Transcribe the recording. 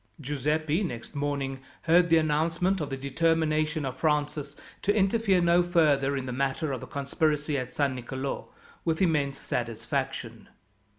Giuseppi, next morning, heard the announcement of the determination of Francis, to interfere no further in the matter of the conspiracy at San Nicolo, with immense satisfaction.